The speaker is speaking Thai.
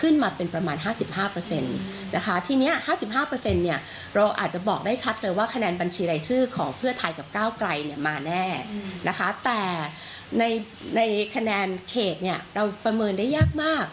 แต่ในคะแนนเขตเนี่ยเราประเมินได้ยากมาก